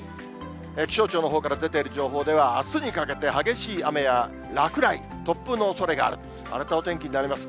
気象庁のほうから出ている情報では、あすにかけて激しい雨や落雷、突風のおそれがある、荒れたお天気になります。